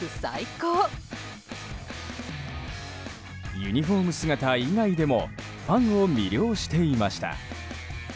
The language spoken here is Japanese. ユニホーム姿以外でもファンを魅了していました。